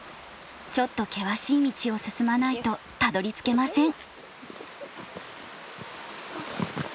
ちょっと険しい道を進まないとたどりつけません。